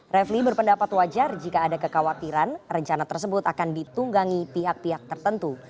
refli berpendapat wajar jika ada kekhawatiran rencana tersebut akan ditunggangi pihak pihak tertentu